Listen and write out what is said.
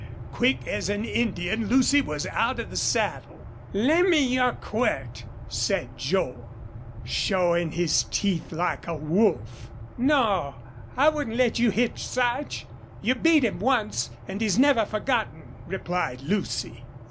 Quick as an Indian Lucy was out of the saddle. "Lemme your quirt," said Joel, showing his teeth like a wolf. "No. I wouldn't let you hit Sarch. You beat him once, and he's never forgotten," replied Lucy.